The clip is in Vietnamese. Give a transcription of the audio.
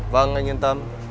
vâng anh yên tâm